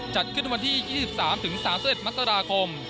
จัดขึ้นวันที่๒๓๓๑มกราคม